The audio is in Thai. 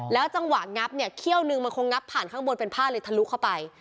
จังหวะงับเนี่ยเขี้ยวนึงมันคงงับผ่านข้างบนเป็นผ้าเลยทะลุเข้าไป